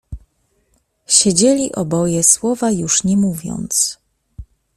"Siedzieli oboje słowa już nie mówiąc."